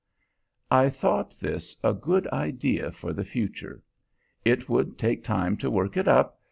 I thought this a good idea for the future; it would take time to work it up.